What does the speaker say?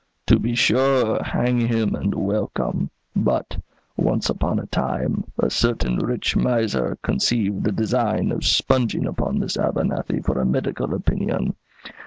"To be sure! hang him and welcome. But, once upon a time, a certain rich miser conceived the design of sponging upon this Abernethy for a medical opinion.